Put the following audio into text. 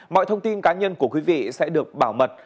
mọi thông tin cá nhân của quý vị sẽ được bảo mật